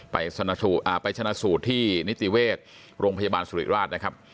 ไปชนะสูตรที่นิติเวชโรงพยาบาลสุริราชนะครับ